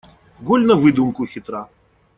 Голь на выдумку хитра.